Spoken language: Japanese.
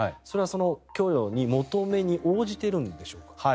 それは供与の求めに応じているんでしょうか。